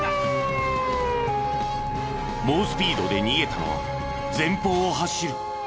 猛スピードで逃げたのは前方を走る。